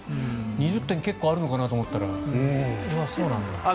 ２０点、結構あるのかなと思ったらそうなんだ。